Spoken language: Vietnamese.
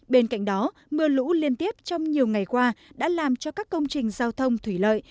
bên cạnh đó mưa lũ liên tiếp trong nhiều ngày qua đã làm cho các công trình giao thông thủy lợi